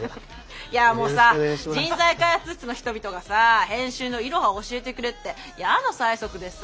人材開発室の人々がさ編集のイロハを教えてくれって矢の催促でさ。